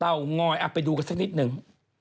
งอยไปดูกันสักนิดหนึ่ง